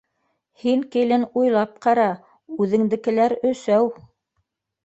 —Һин, килен, уйлап ҡара, үҙеңдекеләр өсәү.